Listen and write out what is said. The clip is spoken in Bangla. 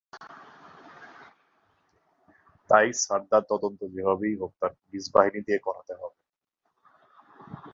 তাই সারদার তদন্ত যেভাবেই হোক তার পুলিশ বাহিনী দিয়ে করাতে হবে।